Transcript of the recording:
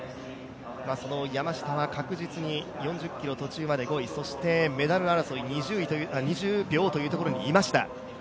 山下は確実に４０ｋｍ途中まで５位、メダル争いまで２０秒というところにいました。